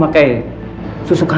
yang muncul tiba tiba itu adalah